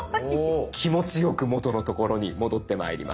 気持ちよく元の所に戻ってまいります。